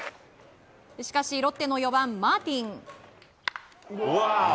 しかしロッテの４番、マーティン。